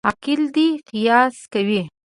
عاقل دي قیاس کوي.